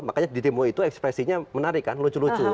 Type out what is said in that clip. makanya di demo itu ekspresinya menarik kan lucu lucu